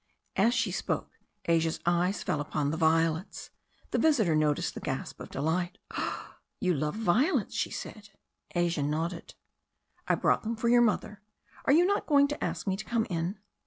As she spoke Asia's eyes fell upon the violets. The vis itor noticed the gasp of delight. "Ah, you love violets?" she said. Asia nodded. "I brought them for your mother. Are you not going to ask me to come in?"